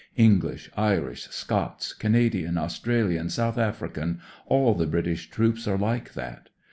English, Irish, Scots, Canadian, Australian, South African — all the British troops are like that.